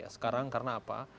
sekarang karena apa